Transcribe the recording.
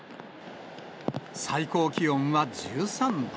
最高気温は１３度。